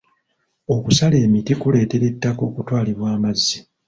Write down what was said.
Okusala emiti kuleetera ettaka okutwalibwa amazzi.